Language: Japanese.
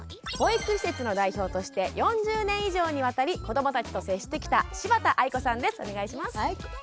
保育施設の代表として４０年以上にわたり子どもたちと接してきた柴田愛子さんです。